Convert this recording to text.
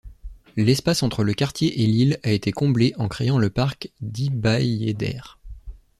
L'espace entre le quartier et l'île a été comblé en créant le Parc d'Ibaieder.